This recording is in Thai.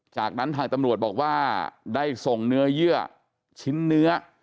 จากนั้นทางตำรวจบอกว่าได้ส่งเนื้อเยื่อชิ้นเนื้อ